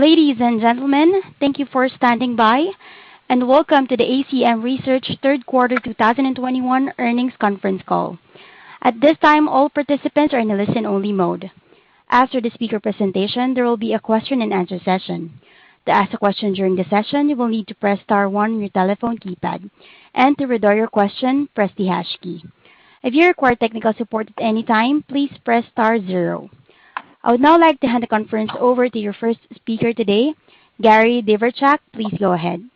Ladies and gentlemen, thank you for standing by and welcome to the ACM Research third quarter 2021 earnings conference call. At this time, all participants are in a listen-only mode. After the speaker presentation, there will be a question-and-answer session. To ask a question during the session, you will need to press star one on your telephone keypad. To withdraw your question, press the hash key. If you require technical support at any time, please press star zero. I would now like to hand the conference over to your first speaker today, Gary Dvorchak. Please go ahead.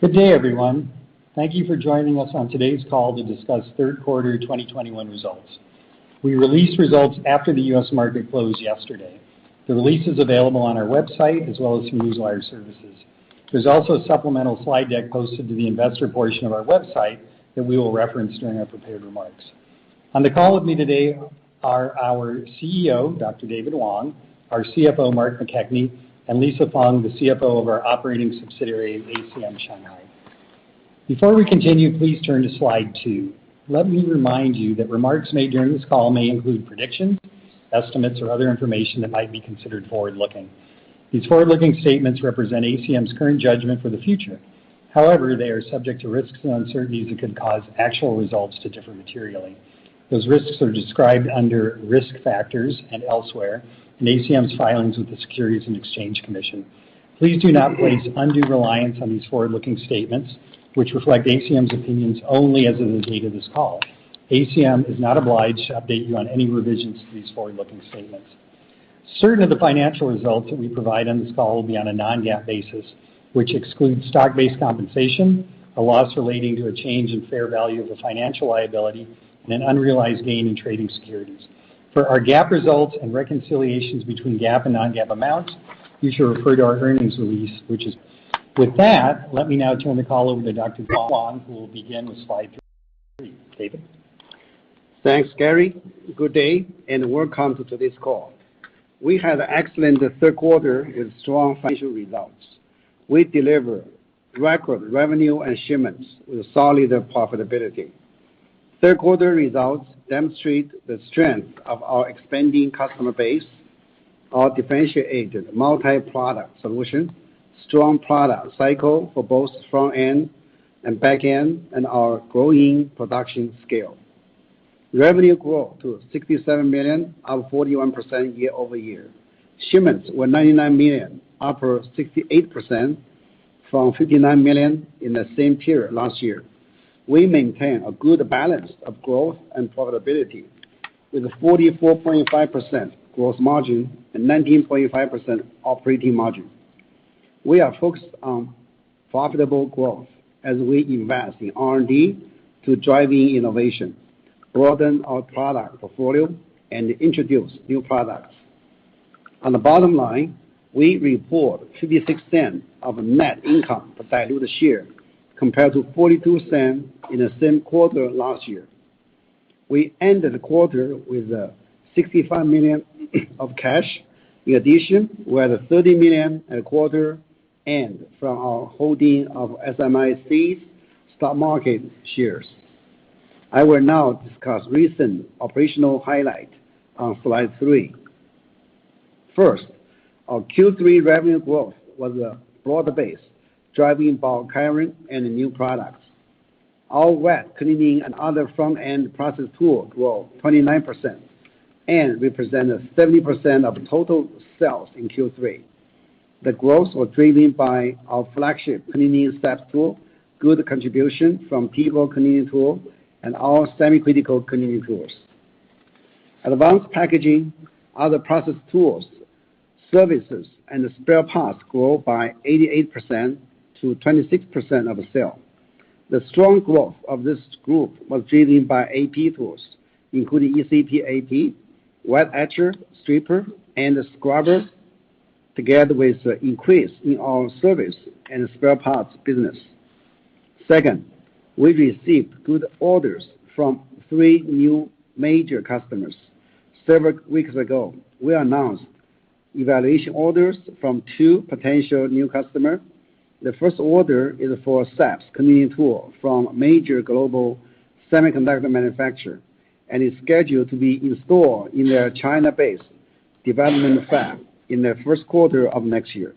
Good day, everyone. Thank you for joining us on today's call to discuss third quarter 2021 results. We released results after the U.S. market closed yesterday. The release is available on our website as well as through Newswire Services. There's also a supplemental slide deck posted to the investor portion of our website that we will reference during our prepared remarks. On the call with me today are our CEO, Dr. David Wang, our CFO, Mark McKechnie, and Lisa Feng, the CFO of our operating subsidiary, ACM Shanghai. Before we continue, please turn to slide two. Let me remind you that remarks made during this call may include predictions, estimates, or other information that might be considered forward-looking. These forward-looking statements represent ACM's current judgment for the future. However, they are subject to risks and uncertainties that could cause actual results to differ materially. Those risks are described under Risk Factors and elsewhere in ACM's filings with the Securities and Exchange Commission. Please do not place undue reliance on these forward-looking statements, which reflect ACM's opinions only as of the date of this call. ACM is not obliged to update you on any revisions to these forward-looking statements. Certain of the financial results that we provide on this call will be on a non-GAAP basis, which excludes stock-based compensation, a loss relating to a change in fair value of a financial liability, and an unrealized gain in trading securities. For our GAAP results and reconciliations between GAAP and non-GAAP amounts, you should refer to our earnings release. With that, let me now turn the call over to Dr. Wang, who will begin with slide three. David? Thanks, Gary. Good day, and welcome to this call. We had an excellent third quarter with strong financial results. We delivered record revenue and shipments with solid profitability. Third quarter results demonstrate the strength of our expanding customer base, our differentiated multi-product solution, strong product cycle for both front-end and back-end, and our growing production scale. Revenue grew to $67 million, up 41% year-over-year. Shipments were $99 million, up 68% from $59 million in the same period last year. We maintain a good balance of growth and profitability with a 44.5% gross margin and 19.5% operating margin. We are focused on profitable growth as we invest in R&D to drive innovation, broaden our product portfolio, and introduce new products. On the bottom line, we report $0.56 of net income per diluted share compared to $0.42 in the same quarter last year. We ended the quarter with $65 million of cash. In addition, we had $30 million at quarter end from our holding of SMIC stock, marketable shares. I will now discuss recent operational highlight on slide three. First, our Q3 revenue growth was broad-based, driven by carryover and new products. Our wet cleaning and other front-end process tool grew 29% and represented 70% of total sales in Q3. The growth was driven by our flagship cleaning SAPS tool, good contribution from people cleaning tool, and our semi-critical cleaning tools. Advanced packaging, other process tools, services, and spare parts grew by 88% to 26% of sales. The stronpg growth of this group was driven by AP tools, including ECP ap, wet etcher, stripper, and scrubber, together with an increase in our service and spare parts business. Second, we received good orders from three new major customers. Several weeks ago, we announced evaluation orders from two potential new customers. The first order is for SAPS cleaning tool from major global semiconductor manufacturer, and is scheduled to be installed in their China-based development fab in the first quarter of next year.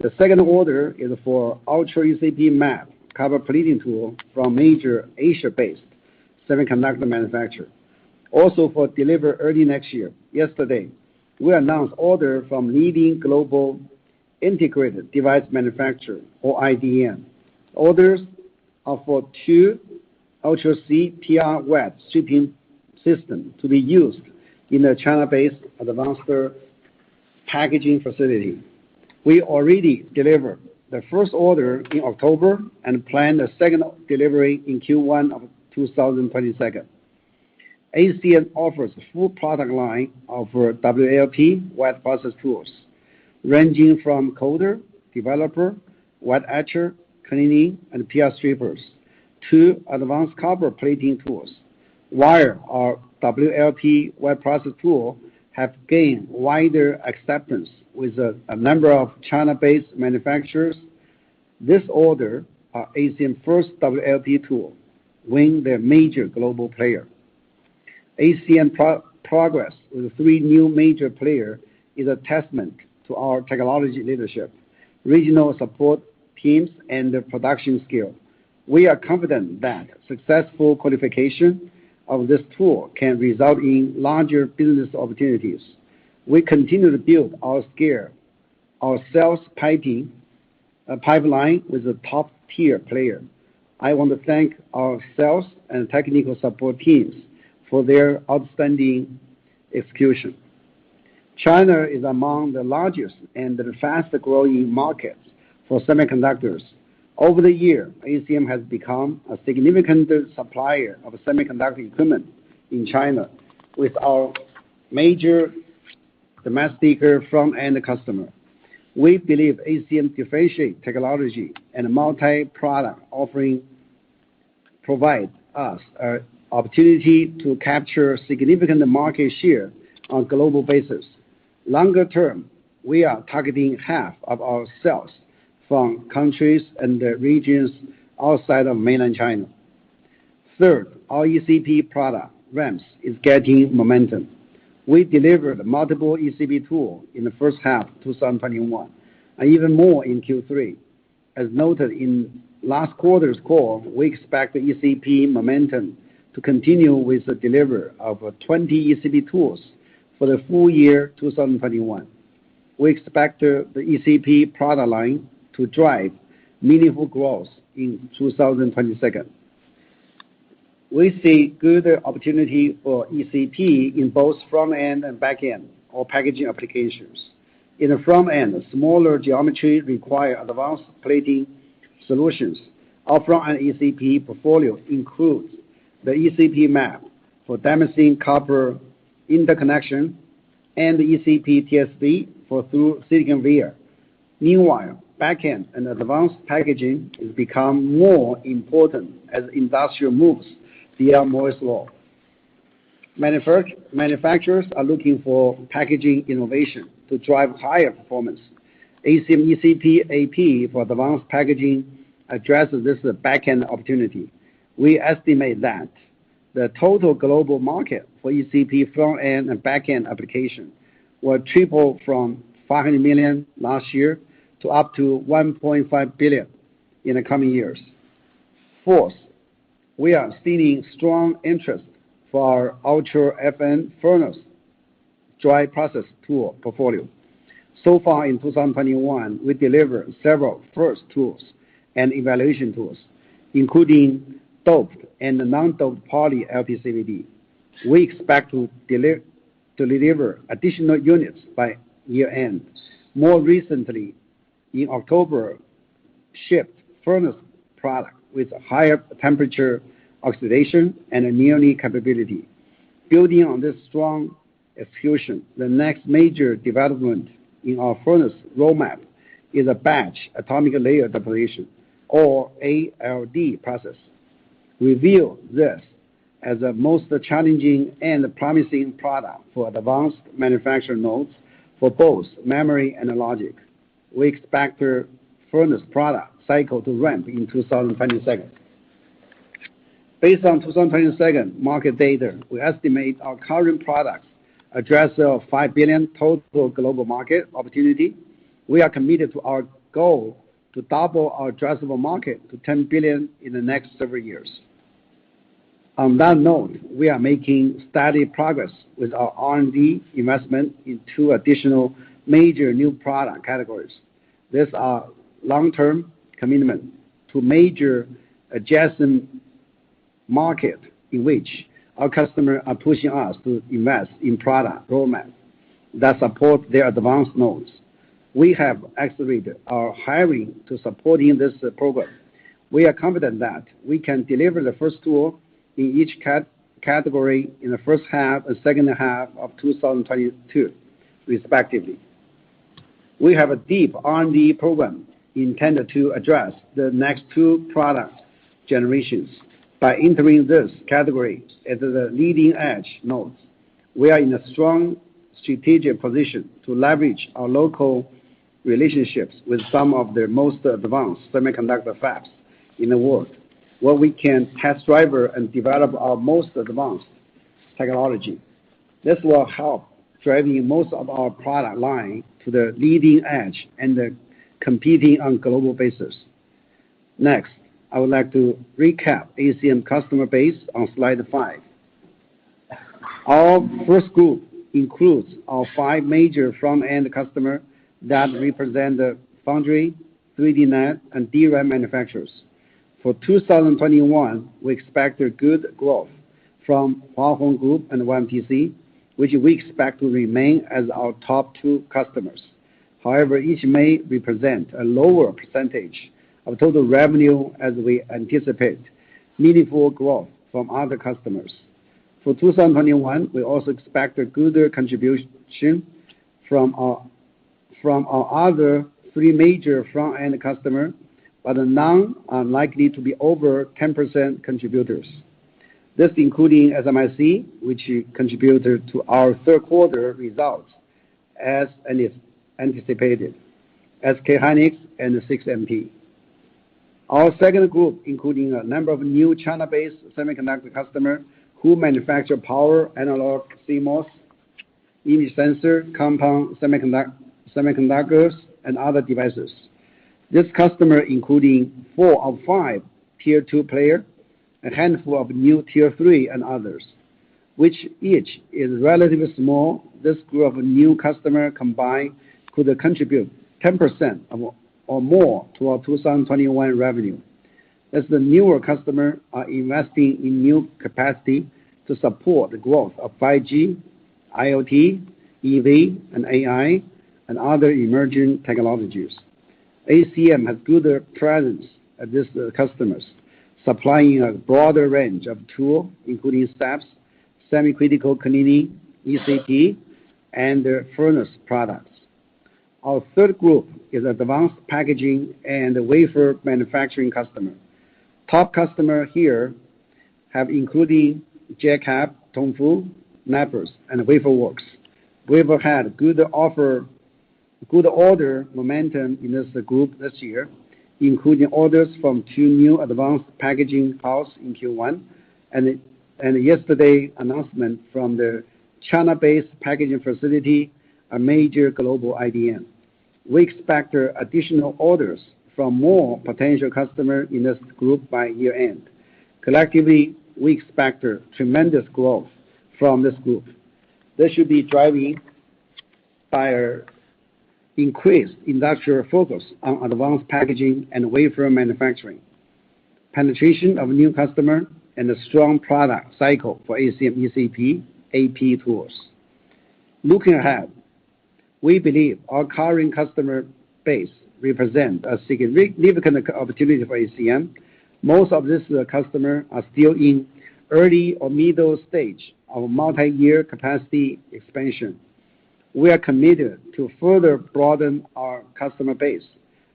The second order is for Ultra ECP map copper cleaning tool from major Asia-based semiconductor manufacturer, also for delivery early next year. Yesterday, we announced an order from leading global integrated device manufacturer or IDM. Orders are for two Ultra C pr wet stripping system to be used in a China-based advanced packaging facility. We already delivered the first order in October and plan the second delivery in Q1 of 2022. ACM offers a full product line of WLP wet process tools, ranging from coater, developer, wet etcher, cleaning, and PR strippers to advanced copper plating tools. While our WLP wet process tools have gained wider acceptance with a number of China-based manufacturers. This order is ACM's first WLP tool win with a major global player. ACM's progress with three new major players is a testament to our technology leadership, regional support teams, and the production scale. We are confident that successful qualification of this tool can result in larger business opportunities. We continue to build our scale, our sales pipeline with a top-tier player. I want to thank our sales and technical support teams for their outstanding execution. China is among the largest and the fastest-growing markets for semiconductors. Over the year, ACM has become a significant supplier of semiconductor equipment in China with our major domestic front-end customer. We believe ACM's differentiated technology and multi-product offering provide us an opportunity to capture significant market share on a global basis. Longer term, we are targeting half of our sales from countries and regions outside of mainland China. Third, our ECP product ramp is gaining momentum. We delivered multiple ECP tools in the first half of 2021, and even more in Q3. As noted in last quarter's call, we expect the ECP momentum to continue with the delivery of 20 ECP tools for the full year 2021. We expect the ECP product line to drive meaningful growth in 2022. We see good opportunity for ECP in both front-end and back-end or packaging applications. In the front end, smaller geometry require advanced plating solutions. Our front-end ECP portfolio includes the ECP map for damascene copper interconnection and ECP TSV for through-silicon via. Meanwhile, back-end and advanced packaging has become more important as industry moves beyond Moore's Law. Manufacturers are looking for packaging innovation to drive higher performance. ACM ECP AP for advanced packaging addresses this back-end opportunity. We estimate that the total global market for ECP front-end and back-end application will triple from $500 million last year to up to $1.5 billion in the coming years. Fourth, we are seeing strong interest for our Ultra Fn Furnace dry process tool portfolio. So far in 2021, we delivered several first tools and evaluation tools, including doped and non-doped poly LPCVD. We expect to deliver additional units by year-end. More recently, in October, we shipped furnace product with higher temperature oxidation and annealing capability. Building on this strong execution, the next major development in our furnace roadmap is a batch atomic layer deposition or ALD process. We view this as the most challenging and promising product for advanced manufacturing nodes for both memory and logic. We expect our furnace product cycle to ramp in 2022. Based on 2022 market data, we estimate our current products address a $5 billion total global market opportunity. We are committed to our goal to double our addressable market to $10 billion in the next several years. On that note, we are making steady progress with our R&D investment in two additional major new product categories. These are long-term commitment to major adjacent market in which our customer are pushing us to invest in product roadmap that support their advanced nodes. We have accelerated our hiring to supporting this program. We are confident that we can deliver the first tool in each category in the first half and second half of 2022, respectively. We have a deep R&D program intended to address the next two product generations. By entering this category at leading-edge nodes, we are in a strong strategic position to leverage our local relationships with some of the most advanced semiconductor fabs in the world, where we can test drive and develop our most advanced technology. This will help driving most of our product line to the leading edge and competing on global basis. Next, I would like to recap ACM customer base on slide five. Our first group includes our five major front-end customers that represent the foundry, 3D NAND, and DRAM manufacturers. For 2021, we expect a good growth from Hua Hong Group and YMTC, which we expect to remain as our top two customers. However, each may represent a lower % of total revenue as we anticipate meaningful growth from other customers. For 2021, we also expect a good contribution from our other three major front-end customers, but none are likely to be over 10% contributors. This includes SMIC, which contributed to our third quarter results and is anticipated, SK hynix and CXMT. Our second group includes a number of new China-based semiconductor customers who manufacture power, analog, CMOS, image sensor, compound semiconductors, and other devices. This customer including four of five tier two player, a handful of new tier three and others, which each is relatively small. This group of new customer combined could contribute 10% of, or more to our 2021 revenue. As the newer customer are investing in new capacity to support the growth of 5G, IoT, EV, and AI, and other emerging technologies. ACM has good presence at this customers, supplying a broader range of tools, including SAPS, semi-critical cleaning, ECP, and furnace products. Our third group is advanced packaging and wafer manufacturing customer. Top customer here have including JCET, Tongfu, Nexperia, and Wafer Works. We've had good order momentum in this group this year, including orders from two new advanced packaging house in Q1, and yesterday announcement from the China-based packaging facility, a major global IDM. We expect additional orders from more potential customers in this group by year-end. Collectively, we expect tremendous growth from this group. This should be driven by our increased industrial focus on advanced packaging and wafer manufacturing, penetration of new customers, and a strong product cycle for ACM ECP, AP tools. Looking ahead, we believe our current customer base represents a significant opportunity for ACM. Most of these customers are still in early or middle stage of multi-year capacity expansion. We are committed to further broadening our customer base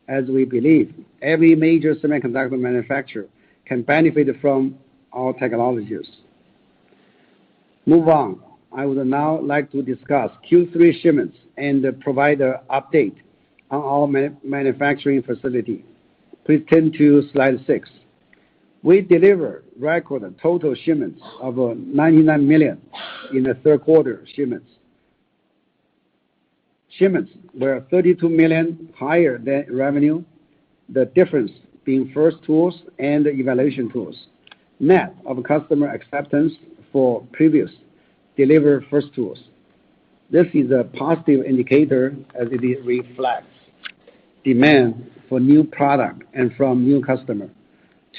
as we believe every major semiconductor manufacturer can benefit from our technologies. Moving on. I would now like to discuss Q3 shipments and provide an update on our manufacturing facility. Please turn to slide six. We delivered record total shipments of $99 million in the third quarter. Shipments were $32 million higher than revenue, the difference being first tools and evaluation tools net of customer acceptance for previously delivered first tools. This is a positive indicator as it reflects demand for new product and from new customer.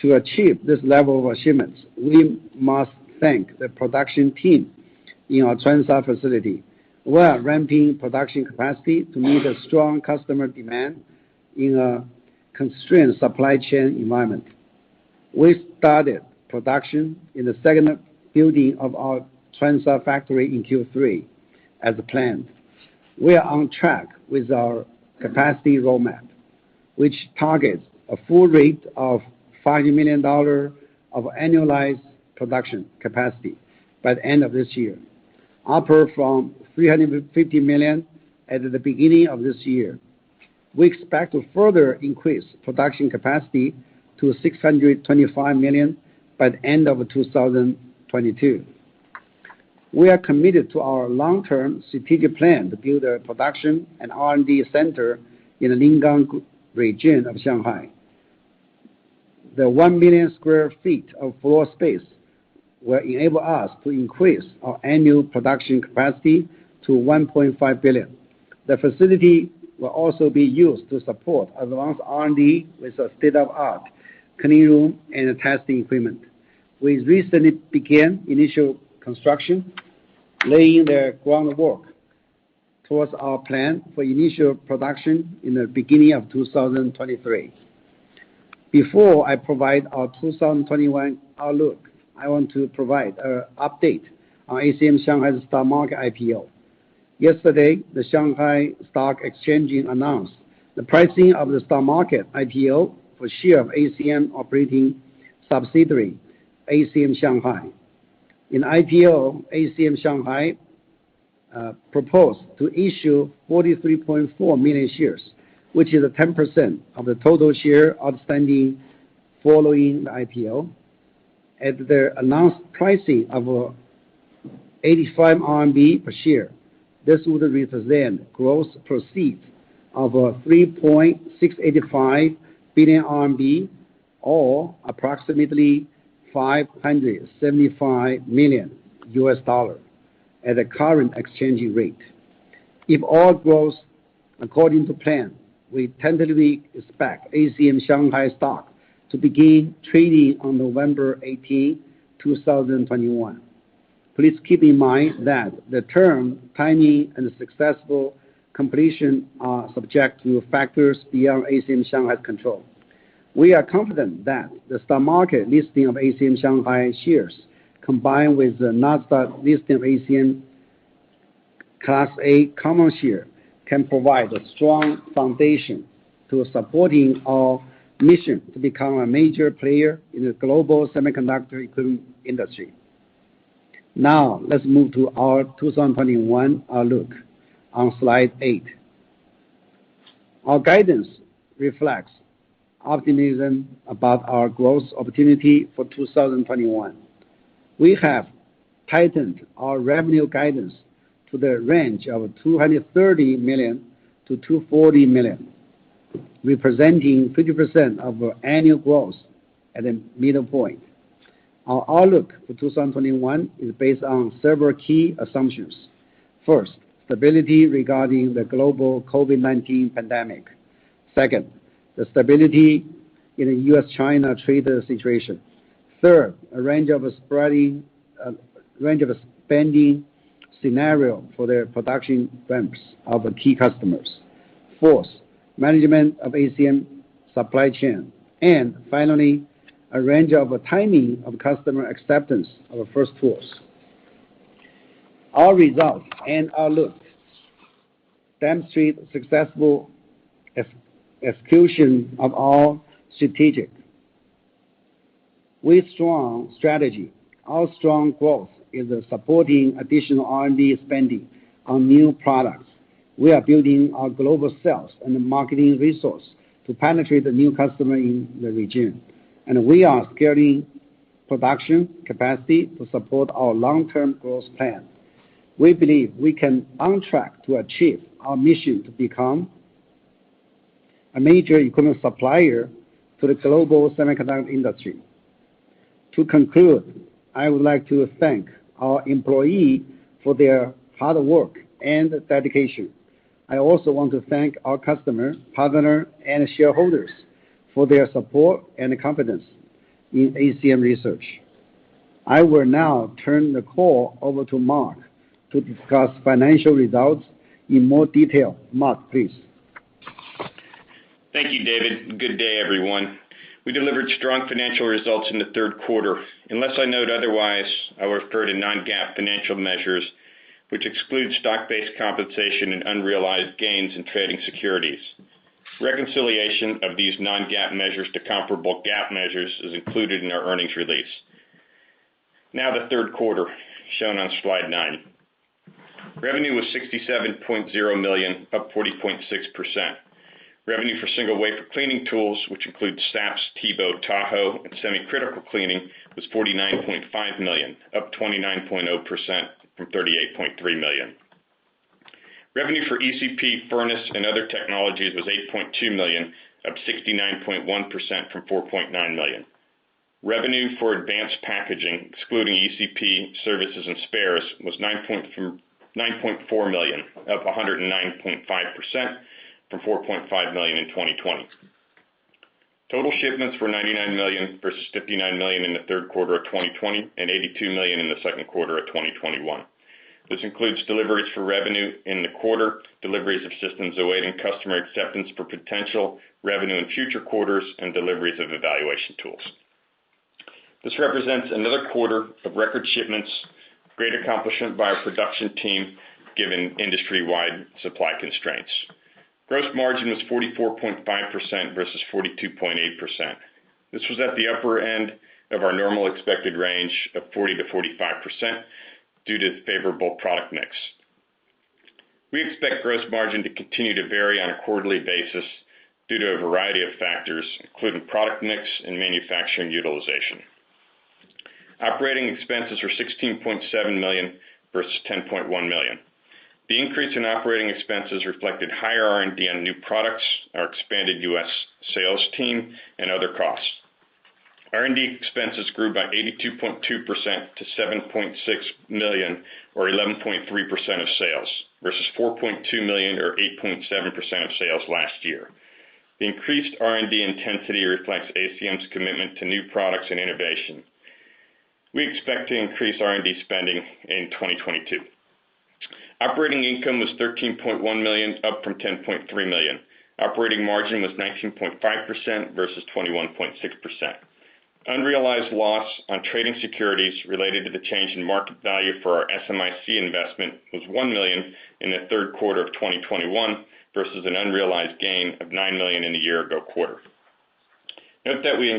To achieve this level of shipments, we must thank the production team in our Changzhou facility. We are ramping production capacity to meet the strong customer demand in a constrained supply chain environment. We started production in the second building of our Changzhou factory in Q3 as planned. We are on track with our capacity roadmap, which targets a full rate of $500 million of annualized production capacity by the end of this year, up from $350 million at the beginning of this year. We expect to further increase production capacity to $625 million by the end of 2022. We are committed to our long-term strategic plan to build a production and R&D center in the Lingang region of Shanghai. The 1 million sq ft of floor space will enable us to increase our annual production capacity to $1.5 billion. The facility will also be used to support advanced R&D with a state-of-the-art clean room and testing equipment. We recently began initial construction, laying the groundwork towards our plan for initial production in the beginning of 2023. Before I provide our 2021 outlook, I want to provide an update on ACM Shanghai's stock market IPO. Yesterday, the Shanghai Stock Exchange announced the pricing of the stock market IPO for shares of ACM's operating subsidiary, ACM Shanghai. In the IPO, ACM Shanghai proposed to issue 43.4 million shares, which is 10% of the total shares outstanding following the IPO. At the announced pricing of 85 RMB per share, this would represent gross proceeds of 3.685 billion RMB or approximately $575 million at the current exchange rate. If all goes according to plan, we tentatively expect ACM Shanghai stock to begin trading on November 18, 2021. Please keep in mind that the term timing and successful completion are subject to factors beyond ACM Shanghai's control. We are confident that the stock market listing of ACM Shanghai shares, combined with the Nasdaq listing of ACM Research Class A common share can provide a strong foundation to supporting our mission to become a major player in the global semiconductor equipment industry. Now, let's move to our 2021 outlook on slide eight. Our guidance reflects optimism about our growth opportunity for 2021. We have tightened our revenue guidance to the range of $230 million-$240 million, representing 50% annual growth at the midpoint. Our outlook for 2021 is based on several key assumptions. First, stability regarding the global COVID-19 pandemic. Second, the stability in the U.S., China trade situation. Third, a range of spending scenarios for the production ramps of key customers. Fourth, management of ACM supply chain, and finally, a range of timing of customer acceptance of first tools. Our results and outlook demonstrate successful execution of our strategy. With strong strategy, our strong growth is supporting additional R&D spending on new products. We are building our global sales and marketing resource to penetrate the new customer in the region, and we are scaling production capacity to support our long-term growth plan. We believe we are on track to achieve our mission to become a major equipment supplier to the global semiconductor industry. To conclude, I would like to thank our employees for their hard work and dedication. I also want to thank our customers, partners, and shareholders for their support and confidence in ACM Research. I will now turn the call over to Mark to discuss financial results in more detail. Mark, please. Thank you, David. Good day, everyone. We delivered strong financial results in the third quarter. Unless I note otherwise, I will refer to non-GAAP financial measures, which exclude stock-based compensation and unrealized gains in trading securities. Reconciliation of these non-GAAP measures to comparable GAAP measures is included in our earnings release. Now, the third quarter, shown on slide nine. Revenue was $67.0 million, up 40.6%. Revenue for single wafer cleaning tools, which includes SAPS, TEBO, Tahoe, and semi-critical cleaning, was $49.5 million, up 29.0% from $38.3 million. Revenue for ECP, furnace, and other technologies was $8.2 million, up 69.1% from $4.9 million. Revenue for advanced packaging, excluding ECP, services, and spares, was $9.4 million, up 109.5% from $4.5 million in 2020. Total shipments were $99 million versus $59 million in the third quarter of 2020, and $82 million in the second quarter of 2021. This includes deliveries for revenue in the quarter, deliveries of systems awaiting customer acceptance for potential revenue in future quarters, and deliveries of evaluation tools. This represents another quarter of record shipments, great accomplishment by our production team given industry-wide supply constraints. Gross margin was 44.5% versus 42.8%. This was at the upper end of our normal expected range of 40%-45% due to favorable product mix. We expect gross margin to continue to vary on a quarterly basis due to a variety of factors, including product mix and manufacturing utilization. Operating expenses were $16.7 million versus $10.1 million. The increase in operating expenses reflected higher R&D on new products, our expanded U.S. sales team, and other costs. R&D expenses grew by 82.2% to $7.6 million or 11.3% of sales, versus $4.2 million or 8.7% of sales last year. The increased R&D intensity reflects ACM's commitment to new products and innovation. We expect to increase R&D spending in 2022. Operating income was $13.1 million, up from $10.3 million. Operating margin was 19.5% versus 21.6%. Unrealized loss on trading securities related to the change in market value for our SMIC investment was $1 million in the third quarter of 2021 versus an unrealized gain of $9 million in the year-ago quarter. Note that we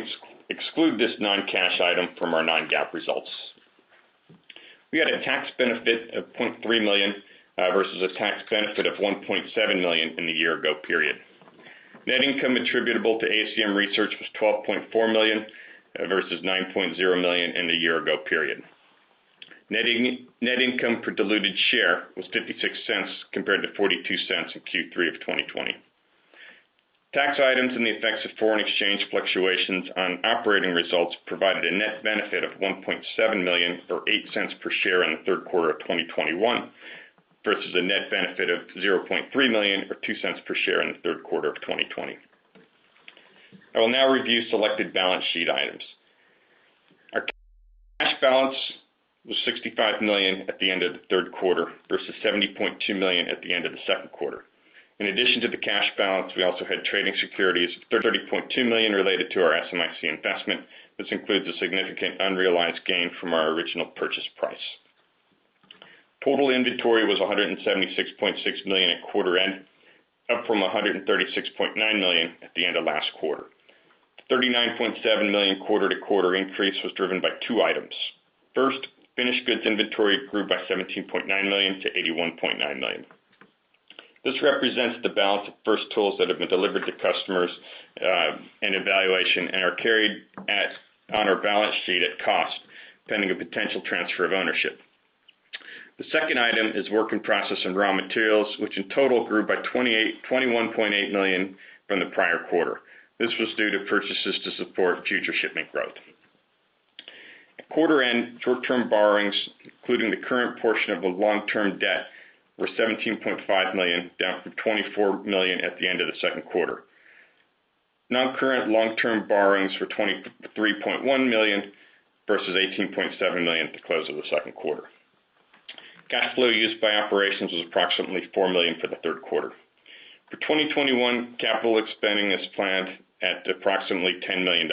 exclude this non-cash item from our non-GAAP results. We had a tax benefit of $0.3 million versus a tax benefit of $1.7 million in the year-ago period. Net income attributable to ACM Research was $12.4 million versus $9.0 million in the year-ago period. Net income per diluted share was $0.56 compared to $0.42 in Q3 2020. Tax items and the effects of foreign exchange fluctuations on operating results provided a net benefit of $1.7 million or $0.08 per share in the third quarter of 2021 versus a net benefit of $0.3 million or $0.02 per share in the third quarter of 2020. I will now review selected balance sheet items. Our cash balance was $65 million at the end of the third quarter versus $70.2 million at the end of the second quarter. In addition to the cash balance, we also had trading securities, $30.2 million related to our SMIC investment. This includes a significant unrealized gain from our original purchase price. Total inventory was $176.6 million at quarter end, up from $136.9 million at the end of last quarter. $39.7 million quarter-to-quarter increase was driven by two items. First, finished goods inventory grew by $17.9 million to $81.9 million. This represents the balance of first tools that have been delivered to customers in evaluation and are carried at on our balance sheet at cost, pending a potential transfer of ownership. The second item is work in process and raw materials, which in total grew by $21.8 million from the prior quarter. This was due to purchases to support future shipment growth. At quarter end, short-term borrowings, including the current portion of a long-term debt, were $17.5 million, down from $24 million at the end of the second quarter. Non-current long-term borrowings were $23.1 million versus $18.7 million at the close of the second quarter. Cash flow used by operations was approximately $4 million for the third quarter. For 2021, capital expansion is planned at approximately $10 million.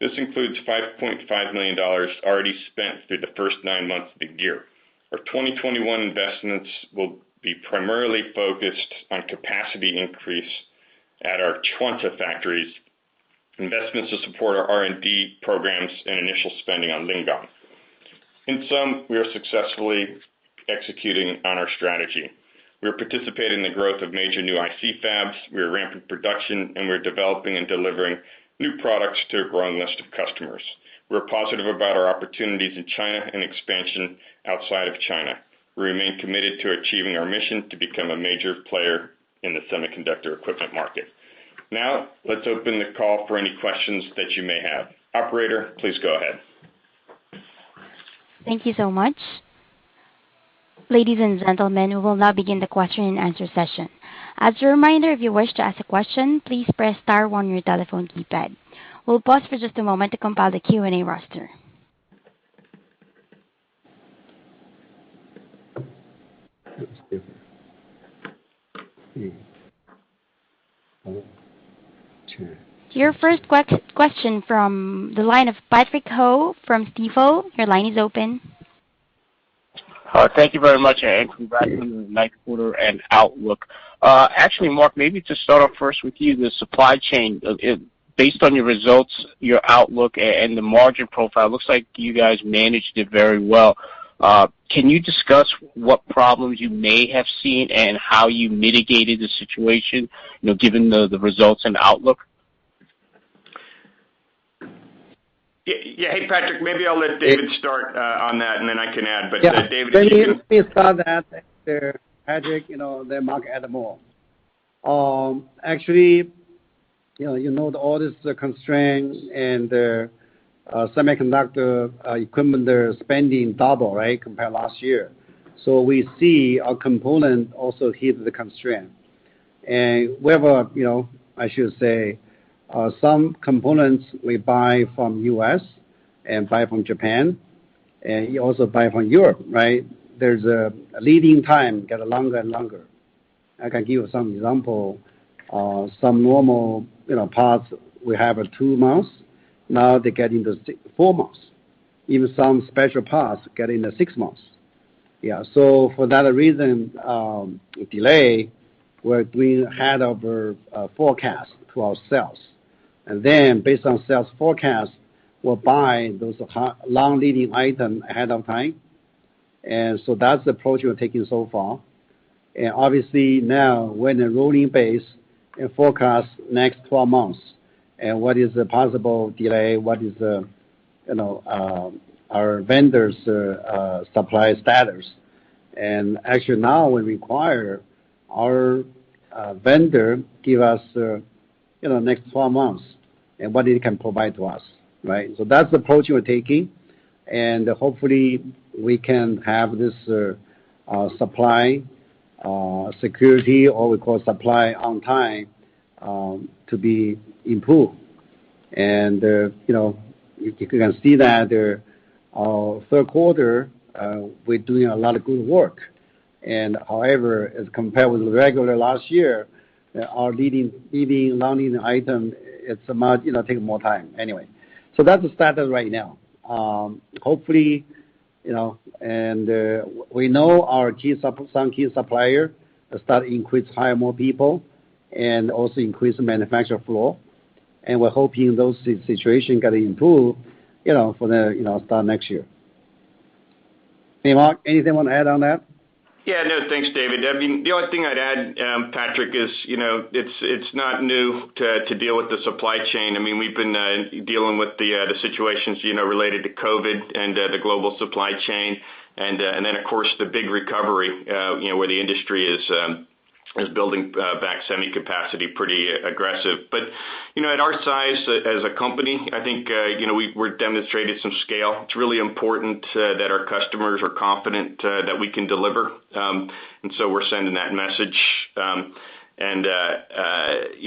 This includes $5.5 million already spent through the first nine months of the year. Our 2021 investments will be primarily focused on capacity increase at our Chanta factories, investments to support our R&D programs, and initial spending on Lingang. In sum, we are successfully executing on our strategy. We are participating in the growth of major new IC fabs, we are ramping production, and we're developing and delivering new products to a growing list of customers. We're positive about our opportunities in China and expansion outside of China. We remain committed to achieving our mission to become a major player in the semiconductor equipment market. Now, let's open the call for any questions that you may have. Operator, please go ahead. Thank you so much. Ladies and gentlemen, we will now begin the question and answer session. As a reminder, if you wish to ask a question, please press star one on your telephone keypad. We'll pause for just a moment to compile the Q&A roster. Your first question from the line of Patrick Ho from Stifel. Your line is open. Hi, thank you very much, and congratulations on the ninth quarter and outlook. Actually, Mark, maybe to start off first with you, the supply chain, based on your results, your outlook and the margin profile, looks like you guys managed it very well. Can you discuss what problems you may have seen and how you mitigated the situation, you know, given the results and outlook? Yeah. Yeah. Hey, Patrick, maybe I'll let David start on that, and then I can add. Yeah. David? Please go ahead. Please start that there, Patrick, you know, then Mark add more. Actually, you know, you know all these constraints and the semiconductor equipment, they're spending double, right? Compared to last year. We see our component also hit the constraint. We have a, you know, I should say, some components we buy from U.S. and buy from Japan, and we also buy from Europe, right? There's a lead time getting longer and longer. I can give some example. Some normal, you know, parts we have are two months. Now, they're getting to four months. Even some special parts getting to six months. For that reason, delay, we're doing ahead of our forecast to our sales. Based on sales forecast, we're buying those long-lead item ahead of time. That's the approach we're taking so far. When the rolling base and forecast next twelve months and what is the possible delay, what is the, you know, our vendors supply status. We require our vendor give us, you know, next four months and what it can provide to us, right? That's the approach we're taking, and hopefully we can have this supply security or we call supply on time to be improved. You know, you can see that their third quarter, we're doing a lot of good work. As compared with regular last year, our leading long-lead item, it's much, you know, taking more time. That's the status right now. Hopefully, you know, we know some key suppliers start increasing hiring more people and also increase the manufacturing flow. We're hoping those situations can improve, you know, from the start of next year. Hey, Mark, anything you wanna add on that? Yeah. No, thanks, David. I mean, the only thing I'd add, Patrick, is, you know, it's not new to deal with the supply chain. I mean, we've been dealing with the situations, you know, related to COVID and the global supply chain and then, of course, the big recovery, you know, where the industry is building back semi capacity pretty aggressive. You know, at our size as a company, I think, you know, we're demonstrated some scale. It's really important that our customers are confident that we can deliver. We're sending that message. You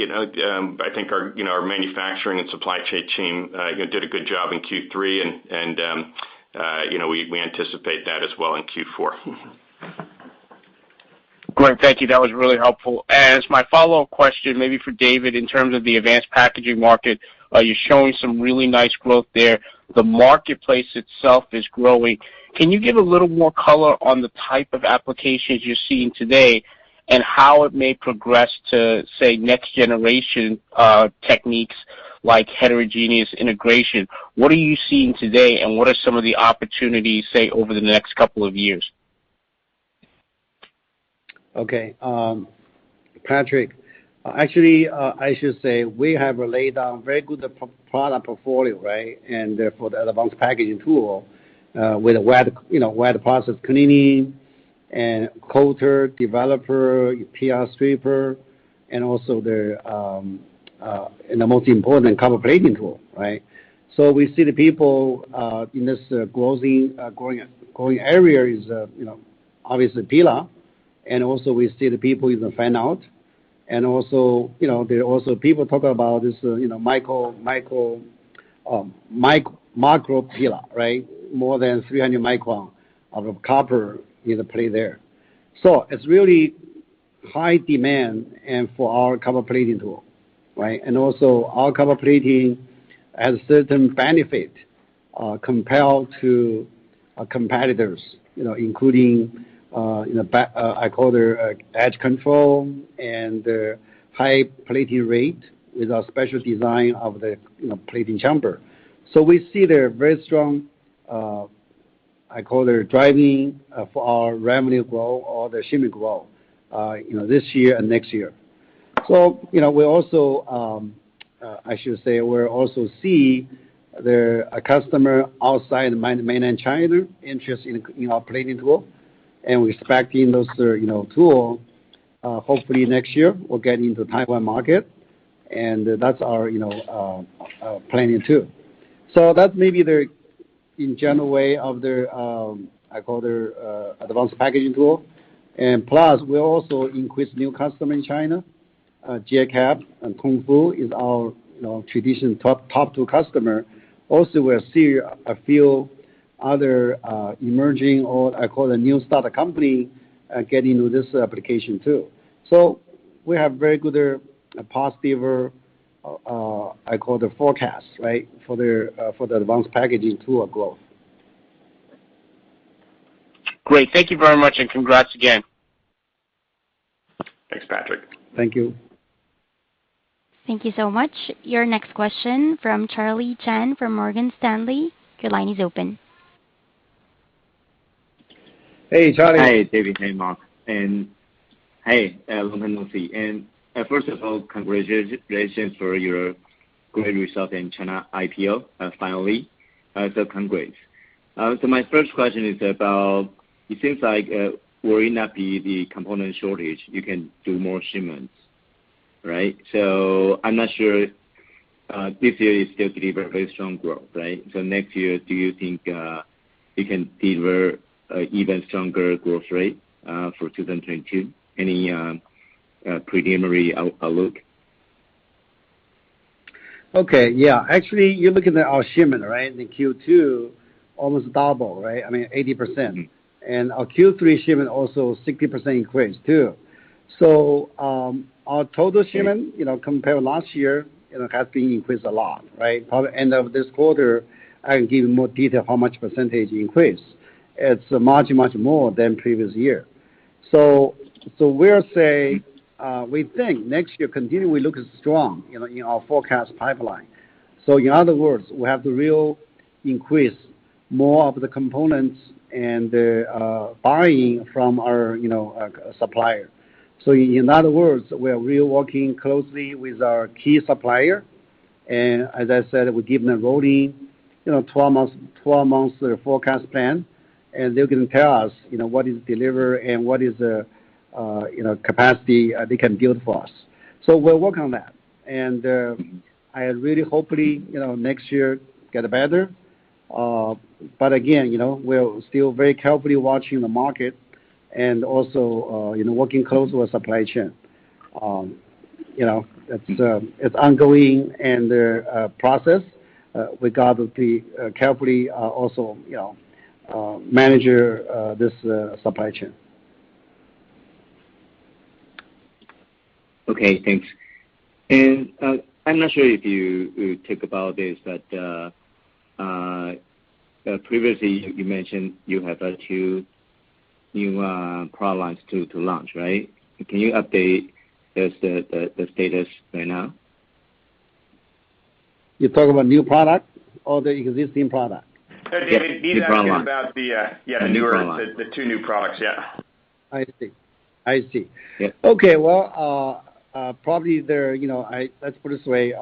know, I think our, you know, our manufacturing and supply chain team, you know, did a good job in Q3, and, you know, we anticipate that as well in Q4. Great. Thank you. That was really helpful. As my follow-up question, maybe for David, in terms of the advanced packaging market, are you showing some really nice growth there? The marketplace itself is growing. Can you give a little more color on the type of applications you're seeing today, and how it may progress to, say, next generation techniques like heterogeneous integration? What are you seeing today, and what are some of the opportunities, say, over the next couple of years? Okay. Patrick, actually, I should say we have laid down very good broad product portfolio, right? Therefore, the advanced packaging tool with a wet, you know, wet process cleaning and coater, developer, PR stripper, and also the most important, copper plating tool, right? We see the people in this growing area, you know, obviously pillar. We see the people in the fan-out. Also, you know, there are also people talking about this, you know, micro pillar, right? More than 300 microns of copper in the plating there. It's really high demand and for our copper plating tool, right? Our copper plating has certain benefit, compared to our competitors, you know, including the edge control and the high plating rate with our special design of the plating chamber. We see they're very strong driving for our revenue growth or the shipment growth, you know, this year and next year. You know, we also, I should say we're also see the customer outside mainland China interest in our plating tool. We expecting those tool, you know, hopefully next year, will get into Taiwan market, and that's our planning too. That may be the in general way of the advanced packaging tool. Plus, we also increase new customer in China, JCET and Tongfu is our, you know, traditional top two customer. We're seeing a few other emerging or I call the new starter company get into this application too. We have very good positive I call the forecast, right? For the advanced packaging tool growth. Great. Thank you very much, and congrats again. Thanks, Patrick. Thank you. Thank you so much. Your next question from Charlie Chan from Morgan Stanley. Your line is open. Hey, Charlie. Hi, David. Hey, Mark. Hey, long time no see. First of all, congratulations for your great result in China IPO, finally. Congrats. My first question is about it seems like, worrying about the component shortage, you can do more shipments, right? I'm not sure, this year is still deliver very strong growth, right? Next year, do you think, you can deliver a even stronger growth rate, for 2022? Any preliminary outlook? Okay. Yeah. Actually, you're looking at our shipment, right? In Q2, almost double, right? I mean, 80%. Mm-hmm. Our Q3 shipment also 60% increased too. Our total shipment- Mm-hmm. You know, compared to last year, you know, it has been increased a lot, right? Probably end of this quarter, I can give you more detail how much percentage increase. It's much, much more than previous year. We'll say we think next year continue. We look strong, you know, in our forecast pipeline. In other words, we have to really increase more of the components and the buying from our supplier. In other words, we are really working closely with our key supplier. As I said, we give them a rolling, you know, 12 months forecast plan. They're gonna tell us, you know, what they can deliver and what the capacity they can build for us is. We're working on that. I really hope, you know, next year get better. Again, you know, we're still very carefully watching the market and also, you know, working closely with supply chain. You know, it's ongoing process. We got to be carefully also, you know, manage this supply chain. Okay, thanks. I'm not sure if you talk about this, but previously you mentioned you have two new products to launch, right? Can you update the status right now? You're talking about new product or the existing product? David, he's asking about the, yeah- The new product. the newer, the two new products. Yeah. I see. I see. Yeah. Okay. Well, probably there, you know, let's put it this way.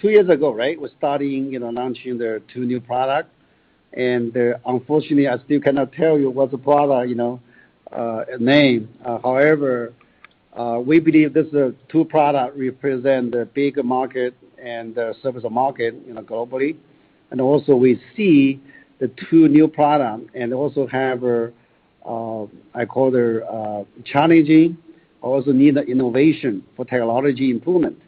Two years ago, right? We're starting, you know, launching the two new product. Unfortunately, I still cannot tell you what the product, you know, name. However, we believe this two product represent the big market and the service market, you know, globally. The two new product and also have a, I call it a challenging, also need innovation for technology improvement.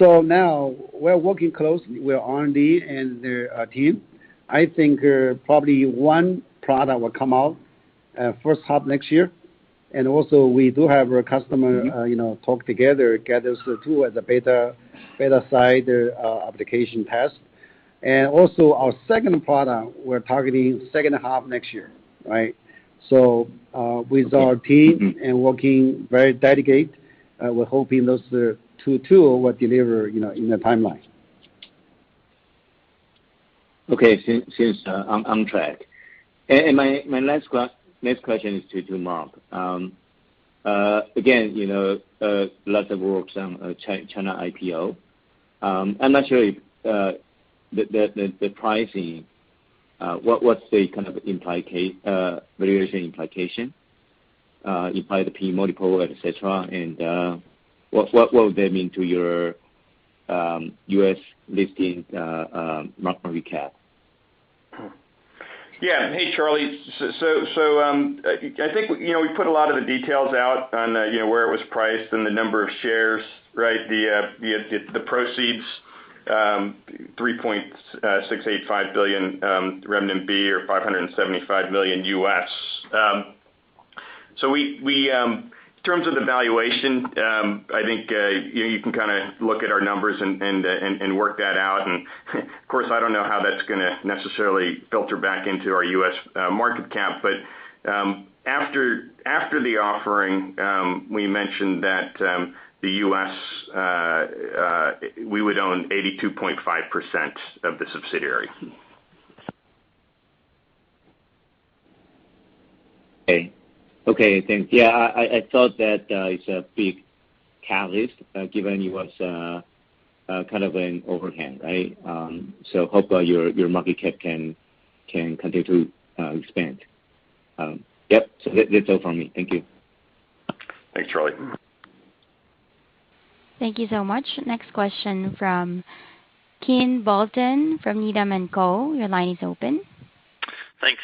Now we're working closely with R&D and their team. I think probably one product will come out, first half next year. Also we do have our customer, you know, talk together, gather the two at the beta site, application test. Also our second product, we're targeting second half next year, right? Okay. With our team and working very dedicated, we're hoping those two will deliver, you know, in the timeline. Okay. Thanks, I'm back. My next question is to Mark. Again, you know, lots of work on China IPO. I'm not sure if the pricing, what's the kind of valuation implication, implied P/E multiple, et cetera. What would that mean to your U.S. listing, market cap? Yeah. Hey, Charlie. I think, you know, we put a lot of the details out on, you know, where it was priced and the number of shares, right? The proceeds, 3.685 billion or $575 million. So we, in terms of the valuation, I think, you know, you can kind of look at our numbers and work that out. Of course, I don't know how that's gonna necessarily filter back into our U.S. market cap. After the offering, we mentioned that the U.S. we would own 82.5% of the subsidiary. Okay, thanks. Yeah, I thought that it's a big catalyst, given it was kind of an overhang, right? Hopefully your market cap can continue to expand. Yep. That's all from me. Thank you. Thanks, Charlie. Thank you so much. Next question from Quinn Bolton from Needham & Company. Your line is open. Thanks,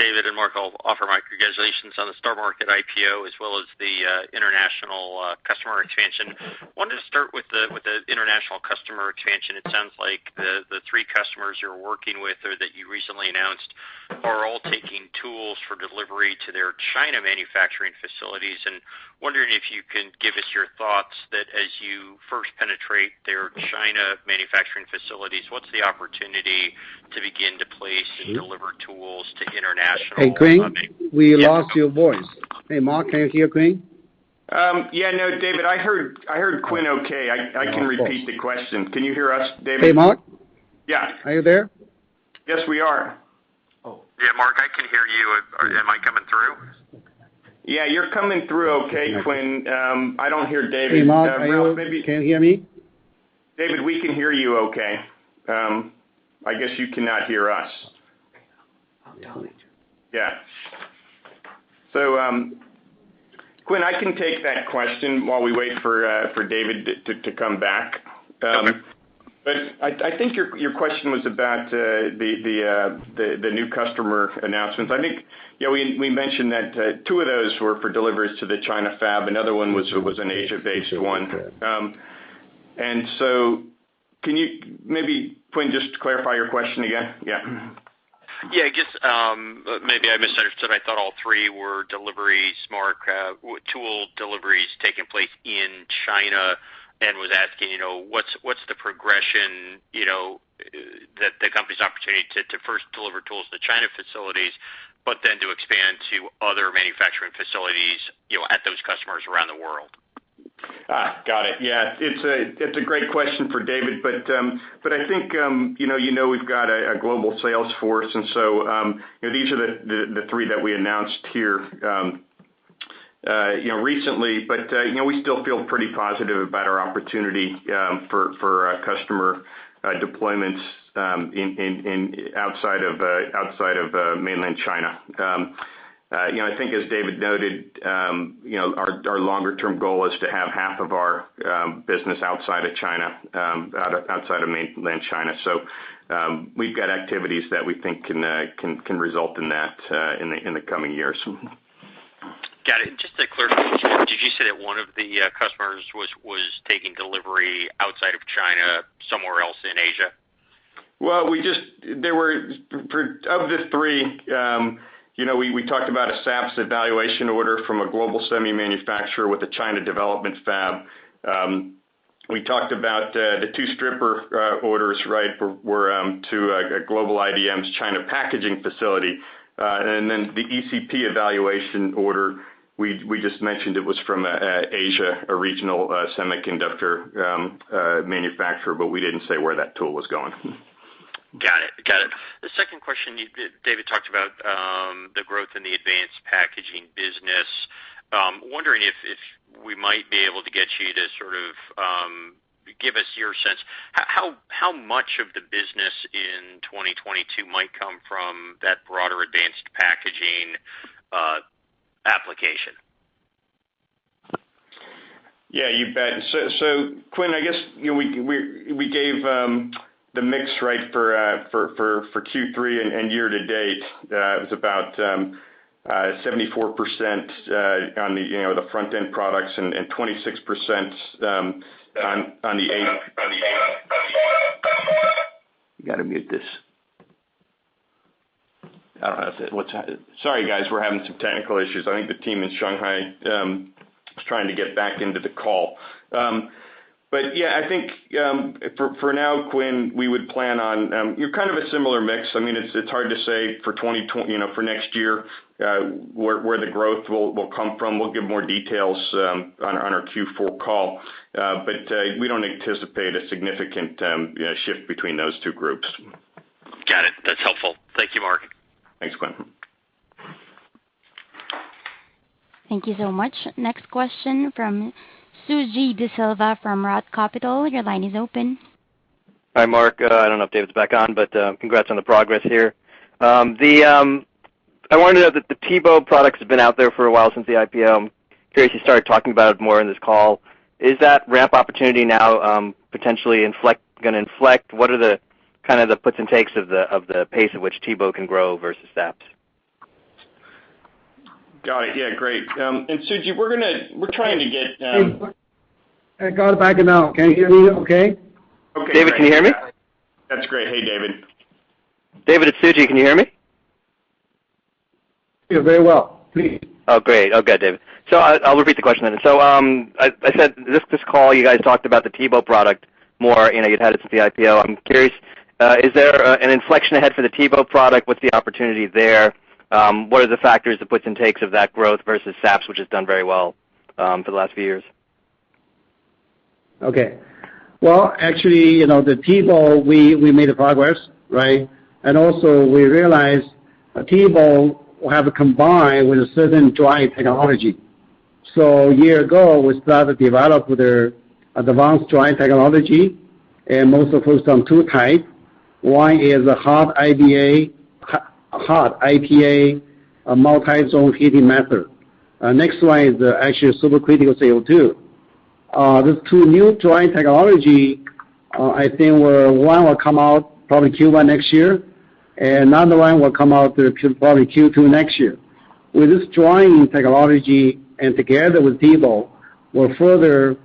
David and Mark. I'll offer my congratulations on the STAR Market IPO, as well as the international customer expansion. I wanted to start with the international customer expansion. It sounds like the three customers you're working with or that you recently announced are all taking tools for delivery to their China manufacturing facilities, and wondering if you can give us your thoughts that as you first penetrate their China manufacturing facilities, what's the opportunity to begin to place and deliver tools to international- Hey, Quinn, we lost your voice. Hey, Mark, can you hear Quinn? Yeah, no, David, I heard Quinn okay. Oh, okay. I can repeat the question. Can you hear us, David? Hey, Mark. Yeah. Are you there? Yes, we are. Oh. Yeah, Mark, I can hear you. Am I coming through? Yeah, you're coming through okay, Quinn. I don't hear David. Hey, Mark. Well, maybe. Can you hear me? David, we can hear you okay. I guess you cannot hear us. I'll tell him. Quinn, I can take that question while we wait for David to come back. Okay. I think your question was about the new customer announcements. I think, yeah, we mentioned that two of those were for deliveries to the China fab. Another one was an Asia-based one. Can you maybe, Quinn, just clarify your question again? Yeah. Yeah. I guess maybe I misunderstood. I thought all three were deliveries, Mark, tool deliveries taking place in China and was asking what's the progression, the company's opportunity to first deliver tools to China facilities, but then to expand to other manufacturing facilities, you know, at those customers around the world. Got it. Yeah. It's a great question for David. I think you know we've got a global sales force, and so you know these are the three that we announced here you know recently. You know we still feel pretty positive about our opportunity for customer deployments in outside of mainland China. You know I think as David noted you know our longer term goal is to have half of our business outside of mainland China. We've got activities that we think can result in that in the coming years. Got it. Just to clarify, did you say that one of the customers was taking delivery outside of China, somewhere else in Asia? Well, there were three, you know, we talked about a SAPS evaluation order from a global semi manufacturer with a China development fab. We talked about the two stripper orders, right, were to a global IDM's China packaging facility. Then the ECP evaluation order we just mentioned was from Asia, a regional semiconductor manufacturer, but we didn't say where that tool was going. Got it. The second question David talked about, the growth in the advanced packaging business. Wondering if we might be able to get you to sort of give us your sense, how much of the business in 2022 might come from that broader advanced packaging Yeah, you bet. Quinn, I guess, you know, we gave the mix right for Q3 and year to date. It was about 74% on the front-end products and 26% on the back-end. We gotta mute this. Sorry, guys, we're having some technical issues. I think the team in Shanghai is trying to get back into the call. Yeah, I think for now, Quinn, we would plan on a similar mix. I mean, it's hard to say, you know, for next year, where the growth will come from. We'll give more details on our Q4 call. We don't anticipate a significant shift between those two groups. Got it. That's helpful. Thank you, Mark. Thanks, Quinn. Thank you so much. Next question from Suji Desilva from Roth Capital. Your line is open. Hi, Mark. I don't know if David's back on, but congrats on the progress here. I wanted to know that the TEBO products have been out there for a while since the IPO. I'm curious, you started talking about it more in this call. Is that ramp opportunity now potentially gonna inflect? What are the kind of puts and takes of the pace at which TEBO can grow versus SAPS? Got it. Yeah. Great. Suji, we're trying to get I got back now. Can you hear me okay? Okay. David, can you hear me? That's great. Hey, David. David, it's Suji. Can you hear me? Yeah, very well. Please. Oh, great. Oh, good, David. I'll repeat the question then. I said this call, you guys talked about the TEBO product more. You know, you'd had it since the IPO. I'm curious, is there an inflection ahead for the TEBO product? What's the opportunity there? What are the factors, the puts and takes of that growth versus SAPS, which has done very well, for the last few years? Okay. Well, actually, you know, the TEBO, we made progress, right? We realized a TEBO will have a combination with a certain drying technology. A year ago, we started to develop with their advanced drying technology, and most of them are two types. One is a hot IPA, a multi-zone heating method. Next one is actually a supercritical CO2. These two new drying technologies, I think where one will come out probably Q1 next year, and another one will come out probably Q2 next year. With this drying technology, together with TEBO, will further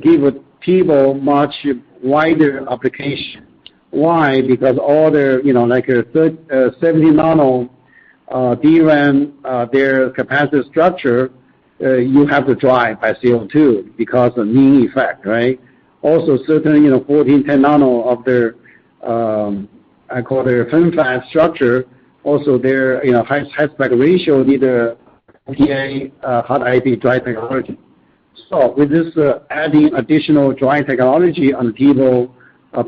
give TEBO much wider application. Why? Because all their, you know, like 70 nm DRAM, their capacitive structure, you have to dry by CO2 because of key effect, right? Certain, you know, 14, 10 nm of their, I call it a thin-film structure, also their, you know, high aspect ratio needs a IPA hot IPA dry technology. With this adding additional dry technology on TEBO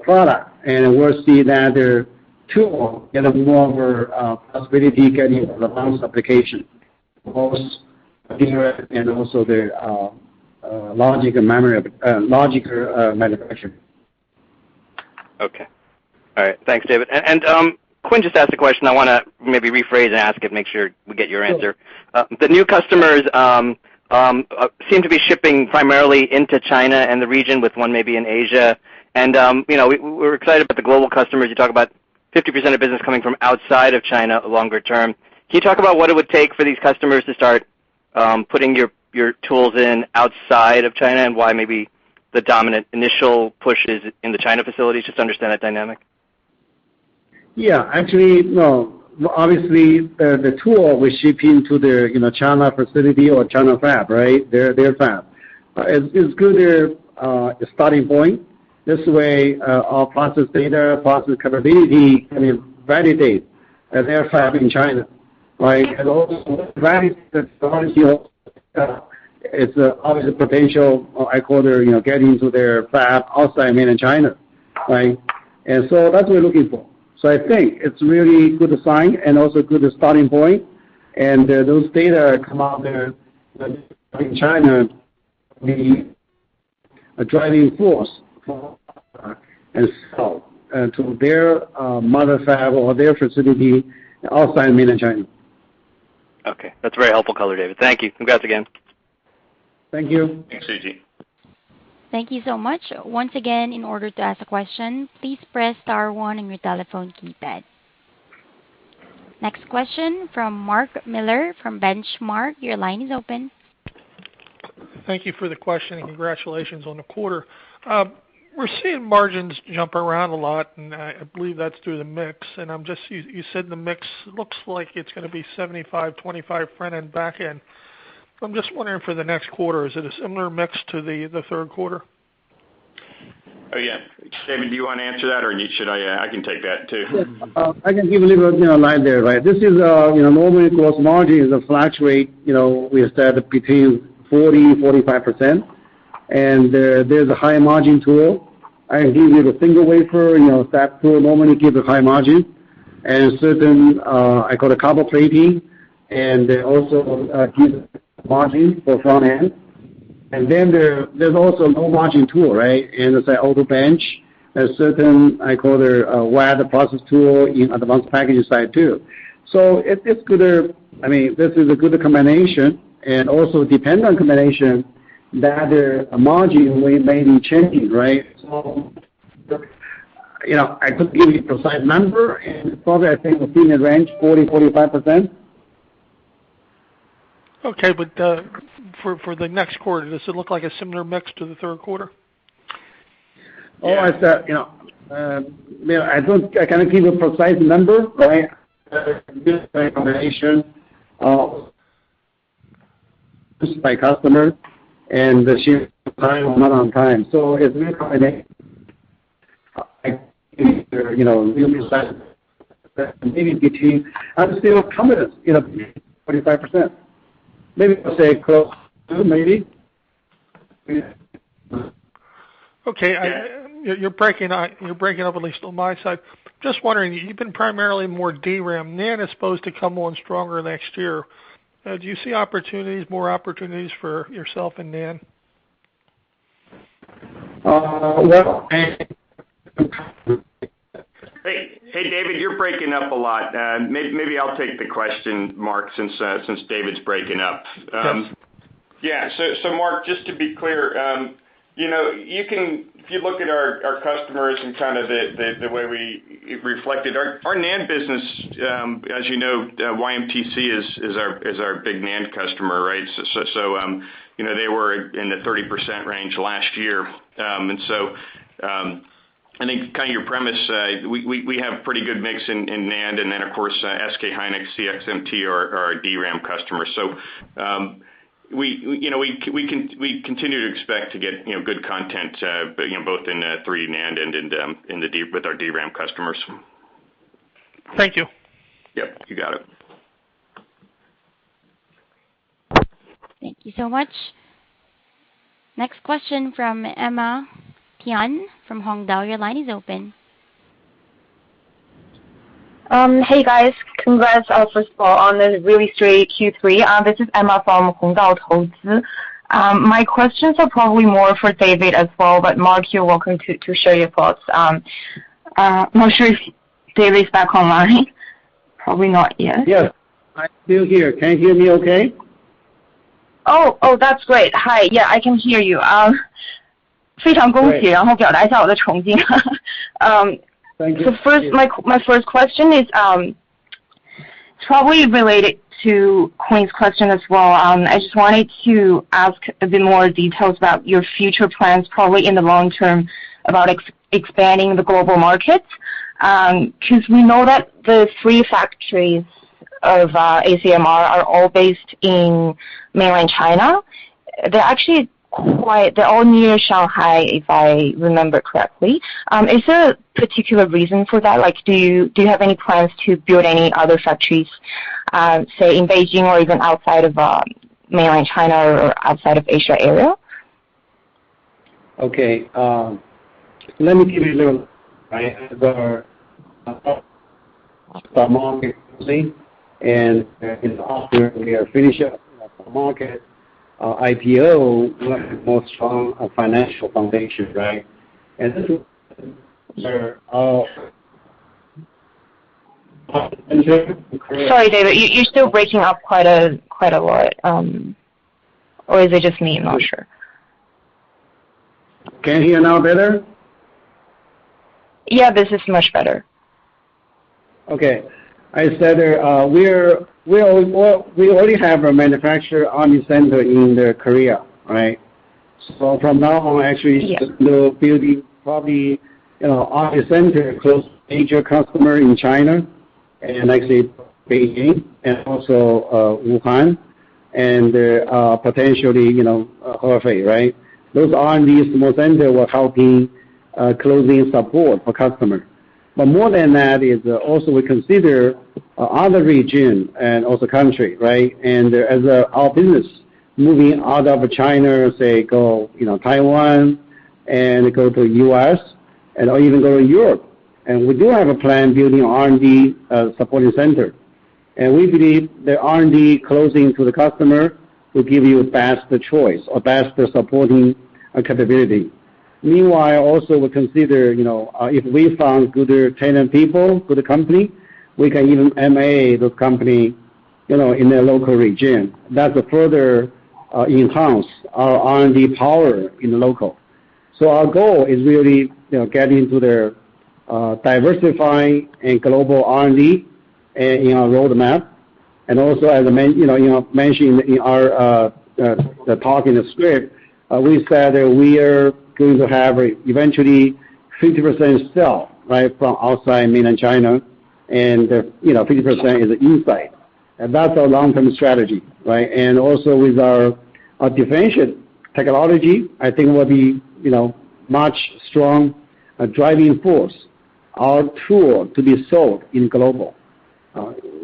product, and we'll see that their tool gets more possibility getting advanced application, both DRAM and also their logic and memory logic manufacturer. Okay. All right. Thanks, David. Quinn just asked a question I wanna maybe rephrase and ask and make sure we get your answer. Sure. The new customers seem to be shipping primarily into China and the region with one maybe in Asia. You know, we're excited about the global customers. You talk about 50% of business coming from outside of China longer term. Can you talk about what it would take for these customers to start putting your tools in outside of China and why maybe the dominant initial push is in the China facilities? Just to understand that dynamic. Yeah. Actually, no. Obviously, the tool we ship into their China facility or China fab, right? Their fab. It's good starting point. This way, our process data, process capability can validate at their fab in China, right? Also, it's obvious potential, I call their, you know, get into their fab outside mainland China, right? That's what we're looking for. I think it's really good sign and also good starting point, and those data come out there in China be a driving force for and sell to their mother fab or their facility outside mainland China. Okay. That's very helpful color, David. Thank you. Congrats again. Thank you. Thanks, Suji. Thank you so much. Once again, in order to ask a question, please press star one on your telephone keypad. Next question from Mark Miller from Benchmark. Your line is open. Thank you for the question, and congratulations on the quarter. We're seeing margins jump around a lot, and I believe that's through the mix. I'm just, you said the mix looks like it's gonna be 75%-25% front-end, back-end. I'm just wondering for the next quarter, is it a similar mix to the third quarter? Oh, yeah. David, do you wanna answer that, or should I? I can take that too. Yes. I can give a little, you know, light there, right? This is a, you know, normally gross margin is a flat rate, you know, we said between 40%-45%. There's a high margin tool. I give it a single wafer, you know, stack tool normally give a high margin. And certain, I call the copper plating, and also, give margin for front-end. And then there's also low margin tool, right? And it's like wet bench. There's certain, I call it a wet process tool in advanced packaging side too. I mean, this is a good combination, and also depend on combination that margin we may be changing, right? I couldn't give you a precise number, and probably I think within that range, 40%-45%. Okay. For the next quarter, does it look like a similar mix to the third quarter? Oh, I said, you know, you know, I cannot give you a precise number, right? Combination by customer and the ship time, not on time. It's a new combination. You know, give you a precise maybe between. I would say we're confident, you know, 45%. Maybe I'll say maybe. Yeah. Okay. You're breaking up at least on my side. Just wondering, you've been primarily in DRAM. NAND is supposed to come on stronger next year. Do you see opportunities, more opportunities for yourself in NAND? Well, Hey, David, you're breaking up a lot. Maybe I'll take the question, Mark, since David's breaking up. Sure. Yeah. Mark, just to be clear, you know, if you look at our customers and kind of the way we reflected. Our NAND business, as you know, YMTC is our big NAND customer, right? They were in the 30% range last year. I think kind of your premise, we have pretty good mix in NAND and then of course, SK hynix, CXMT are our DRAM customers. We continue to expect to get, you know, good content, you know, both in the 3D NAND and in the DRAM with our DRAM customers. Thank you. Yep, you got it. Thank you so much. Next question from Emma Tian from Haitong Securities. Your line is open. Hey, guys. Congrats, first of all, on a really great Q3. This is Emma from Haitong Securities. My questions are probably more for David as well, but Mark, you're welcome to share your thoughts. Not sure if David's back online. Probably not yet. Yes. I'm still here. Can you hear me okay? Oh, that's great. Hi. Yeah, I can hear you. Thank you. First, my first question is, it's probably related to Quinn's question as well. I just wanted to ask a bit more details about your future plans, probably in the long term about expanding the global markets. 'Cause we know that the three factories of ACMR are all based in Mainland China. They're actually all near Shanghai, if I remember correctly. Is there a particular reason for that? Like, do you have any plans to build any other factories, say, in Beijing or even outside of Mainland China or outside of Asia area? Okay. Let me give you a little background. After we are finished up the STAR Market IPO, we have a more strong financial foundation, right? Can you hear me? Sorry, David. You're still breaking up quite a lot. Or is it just me? I'm not sure. Can you hear now better? Yeah, this is much better. Okay. I said, we already have a manufacturer R&D center in Korea, right? From now on, actually Yeah. To build it probably, you know, R&D center close to major customer in China and actually Beijing and also, Wuhan and, potentially, you know, Hong Kong, right? Those R&D small center will help in, close support for customers. But more than that is also we consider other region and also country, right? As, our business moving out of China, say, go, you know, Taiwan and go to U.S. and or even go to Europe. We do have a plan building R&D, supporting center. We believe the R&D close to the customer will give you best choice or best supporting capability. Meanwhile, also we consider, you know, if we found good talent people, good company, we can even M&A those company, you know, in their local region. That will further, enhance our R&D power in the local. Our goal is really to get into the diversifying and global R&D in our roadmap. As I mentioned in the talk in the script, we said that we are going to have eventually 50% sales, right, from outside Mainland China and, you know, 50% is inside. That's our long-term strategy, right? With our dimension technology, I think will be, you know, much strong driving force our tool to be sold in global.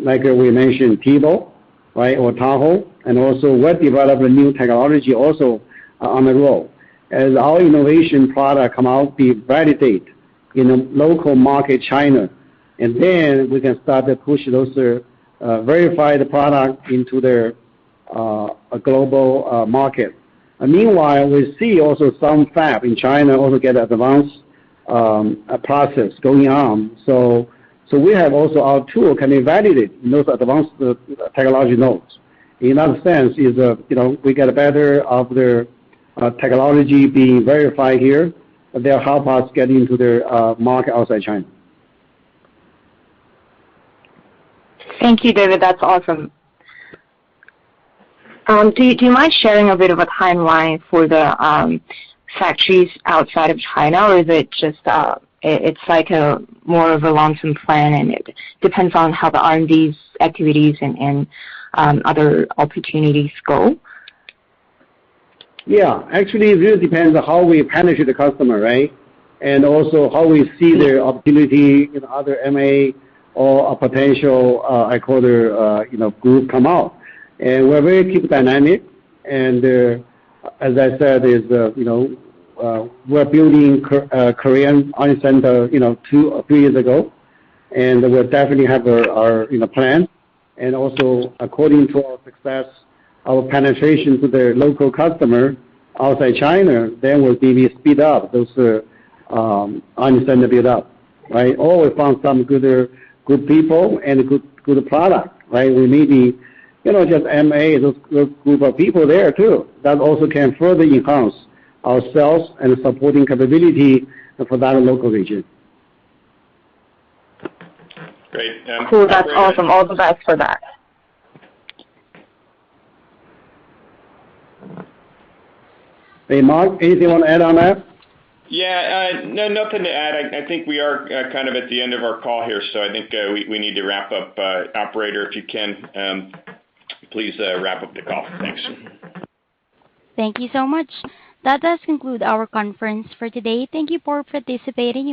Like we mentioned, TEBO, right? Or Tahoe, and also we're developing new technology also on the road. As our innovative product come out, we validate in the local market, China, and then we can start to push those verified product into a global market. Meanwhile, we see also some fab in China also get advanced process going on. We have also our tool can evaluate those advanced technology nodes. In that sense, you know, we get the benefit of their technology being verified here. They'll help us get into their market outside China. Thank you, David. That's awesome. Do you mind sharing a bit of a timeline for the factories outside of China? Or is it just it's like a more of a long-term plan and it depends on how the R&D's activities and other opportunities go? Yeah. Actually, it really depends on how we penetrate the customer, right, and also how we see their opportunity in other M&A or a potential. I call their, you know, group come out. We're very keen dynamic, and as I said, you know, we're building Korean R&D center, you know, two or three years ago, and we'll definitely have our plan. Also according to our success, our penetration to their local customer outside China, then we'll speed up those R&D center build up, right? Or we found some good people and good product, right? We may be, you know, just M&A those group of people there too. That also can further enhance ourselves and supporting capability for that local region. Great. Cool. That's awesome. All the best for that. Hey, Mark, anything you wanna add on that? Yeah. No, nothing to add. I think we are kind of at the end of our call here, so I think we need to wrap up. Operator, if you can, please, wrap up the call. Thanks. Thank you so much. That does conclude our conference for today. Thank you for participating.